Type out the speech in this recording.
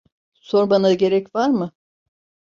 Sormana gerek var mı?